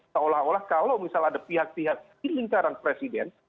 seolah olah kalau misalnya ada pihak pihak di lingkaran presiden